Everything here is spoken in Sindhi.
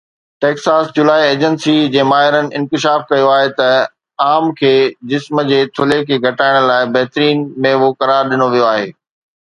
ٽيڪساس جولاءِ ايجنسي جي ماهرن انڪشاف ڪيو آهي ته آم کي جسم جي ٿلهي کي گهٽائڻ لاءِ بهترين ميوو قرار ڏنو ويو آهي